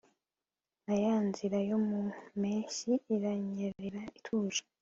nka yanzira yo mu mpeshyi, iranyerera ituje